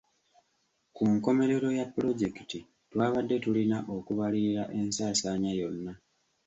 Ku nkomerero ya pulojekiti twabadde tulina okubalirira ensaasaanya yonna.